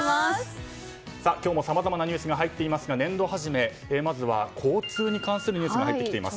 今日もさまざまなニュースが入っていますが年度初めまずは交通に関するニュースが入ってきています。